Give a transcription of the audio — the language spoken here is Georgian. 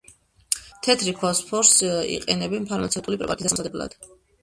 თეთრი ფოსფორს იყენებენ ფარმაცევტული პრეპარატების დასამზადებლად.